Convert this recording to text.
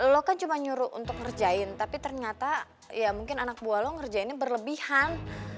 lo kan cuma nyuruh untuk ngerjain tapi ternyata ya mungkin anak buah lo ngerjainnya berlebihan